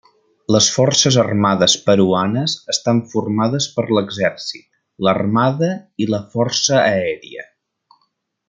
Les Forces Armades peruanes estan formades per l'Exèrcit, l'Armada i la Força aèria.